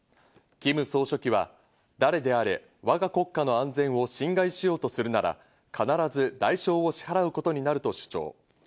キム総書記は誰であれ、わが国家の安全を侵害しようとするなら必ず代償を支払うことになると主張。